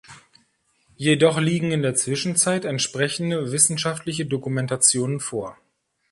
Jedoch liegen in der Zwischenzeit entsprechende wissenschaftliche Dokumentationen vor.